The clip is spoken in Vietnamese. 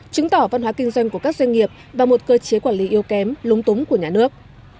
chứng tỏ văn hóa kinh doanh của các doanh nghiệp và một cơ chế quản lý yêu kém lúng túng của nhà nước